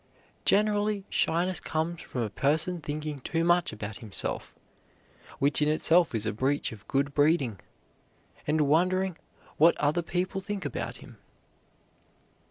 Generally shyness comes from a person thinking too much about himself which in itself is a breach of good breeding and wondering what other people think about him.